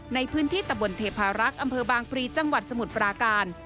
ในพื้นที่ตะบนเทพารักษ์อำเภอบางพลีจังหวัดสมุทรปราการ